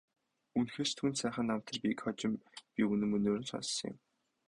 Үнэхээр ч түүнд сайхан намтар бийг хожим би үнэн мөнөөр нь сонссон юм.